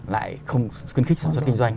lại không kinh khích sản xuất kinh doanh